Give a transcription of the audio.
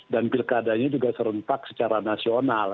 dan pilkadanya juga serentak secara nasional